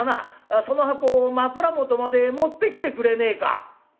その箱を枕元まで持ってきてくれねえか」。